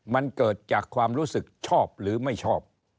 มันเกิดจากความรู้สึกชอบหรือไม่ชอบ